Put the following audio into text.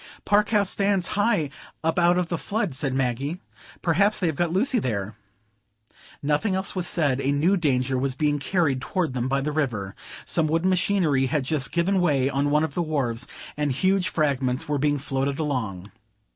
"Park House stands high up out of the flood," said Maggie. "Perhaps they have got Lucy there." Nothing else was said; a new danger was being carried toward them by the river. Some wooden machinery had just given way on one of the wharves, and huge fragments were being floated along.